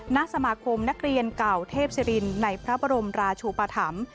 ณสมาคมนักเรียนเก่าเทพศิรินในพระบรมราชูปธรรม